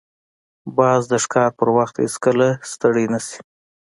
باز د ښکار پر وخت هیڅکله ستړی نه شي